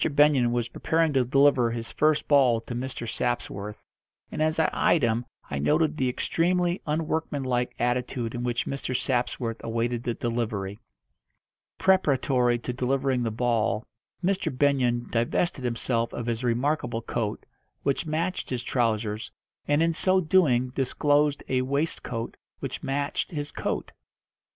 Benyon was preparing to deliver his first ball to Mr. Sapsworth, and as I eyed him I noted the extremely unworkmanlike attitude in which Mr. Sapsworth awaited the delivery. Preparatory to delivering the ball Mr. Benyon divested himself of his remarkable coat, which matched his trousers, and in so doing disclosed a waistcoat which matched his coat.